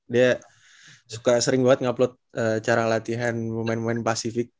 dia suka sering banget ngupload cara latihan pemain pemain pasifik